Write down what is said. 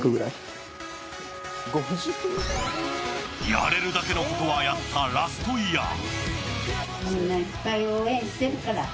やれるだけのことはやったラストイヤー。